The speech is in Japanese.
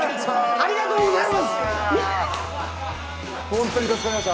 ありがとうございます。